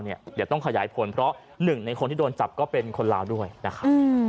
เดี๋ยวต้องขยายผลเพราะหนึ่งในคนที่โดนจับก็เป็นคนลาวด้วยนะครับ